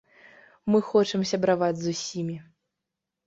Мы хочам сябраваць з усімі.